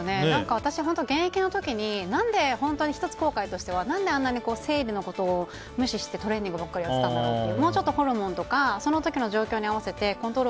私、現役の時に１つ後悔としては何で、あんなに生理のことを無視してトレーニングばっかりやっていたんだろうと。